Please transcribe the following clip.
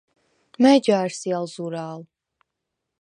მა̈ჲ ჯა̄რ სი ალ ზურა̄ლ?